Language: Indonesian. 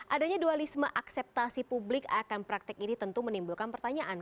adanya dualisme akseptasi publik akan praktek ini tentu menimbulkan pertanyaan